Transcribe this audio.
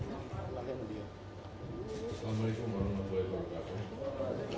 assalamu'alaikum warahmatullahi wabarakatuh